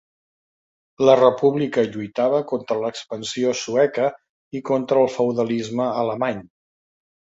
La República lluitava contra l'expansió sueca i contra el feudalisme alemany.